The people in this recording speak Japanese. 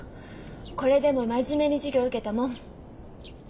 これでも真面目に授業受けたもん。